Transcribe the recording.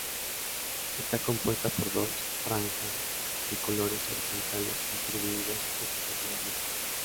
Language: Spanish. Está compuesta por dos franja de colores horizontales distribuidas equitativamente.